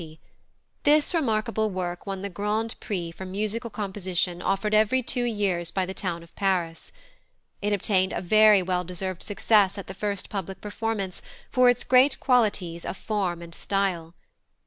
This remarkable work won the Grand Prix for musical composition offered every two years by the town of Paris. It obtained a very well deserved success at the first public performance for its great qualities of form and style.